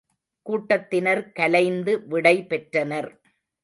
கூட்டத்தினர் கலைந்து விடை பெற்றனர்.